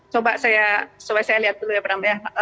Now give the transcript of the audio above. coba saya lihat dulu ya